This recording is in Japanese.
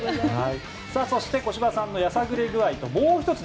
そして、小芝さんのやさぐれ具合と、もう１つ